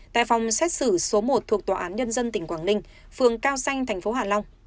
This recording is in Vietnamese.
tại phòng xét xử số một thuộc tòa án nhân dân tỉnh quảng ninh phường cao xanh tp hạ long